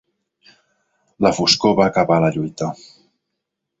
La foscor va acabar la lluita.